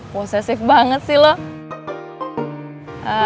possesif banget sih lu